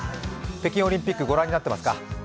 北京オリンピック、ご覧になってますか？